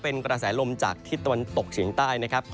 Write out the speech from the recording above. เป็นกระแสลมจากทิศตะวันตกเฉียงใต้นะครับ